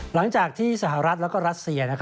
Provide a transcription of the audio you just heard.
หลังจากที่สหรัฐและรัสเซีย